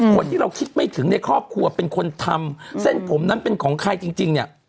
คนที่เราคิดไม่ถึงในครอบครัวเป็นคนทำเส้นผมนั้นเป็นของใครจริงเนี่ย